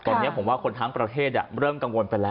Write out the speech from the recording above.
ตอนนี้ผมว่าคนทั้งประเทศเริ่มกังวลไปแล้ว